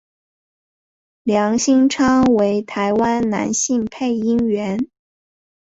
梁兴昌为台湾男性配音员。